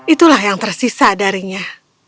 itulah yang tersisa darinya